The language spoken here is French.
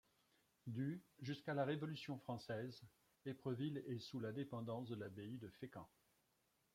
Du jusqu'à la Révolution française, Épreville est sous la dépendance de l'abbaye de Fécamp.